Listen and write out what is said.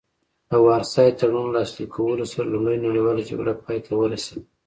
د وارسای تړون لاسلیک کولو سره لومړۍ نړیواله جګړه پای ته ورسیده